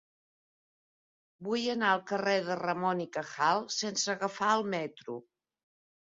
Vull anar al carrer de Ramón y Cajal sense agafar el metro.